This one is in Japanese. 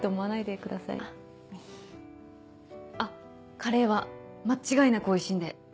カレーは間違いなくおいしいんで。